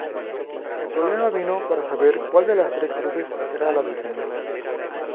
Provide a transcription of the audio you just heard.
El problema vino para saber cuál de las tres cruces era la del Señor.